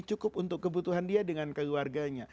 cukup untuk kebutuhan dia dengan keluarganya